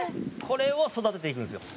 「これを育てていくんですよ」